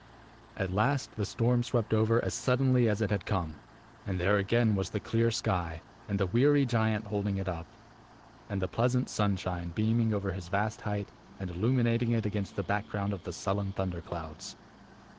At last the storm swept over as suddenly as it had come. And there again was the clear sky, and the weary giant holding it up, and the pleasant sunshine beaming over his vast height and illuminating it against the background of the sullen thunder clouds.